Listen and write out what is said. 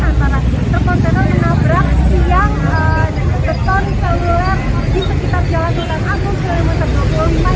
antara terkontenel yang nabrak siang keton seluler di sekitar jalan hutan agung kulimun tepukung